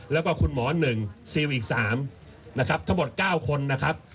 แล้วก็คุณหมอ๑ซิลอีก๓นะครับทั้งหมด๙คนนะครับ